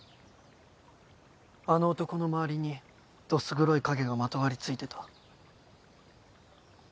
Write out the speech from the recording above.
あの男の周りにどす黒い影がまとわり付いてた。